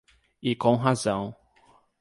E com razão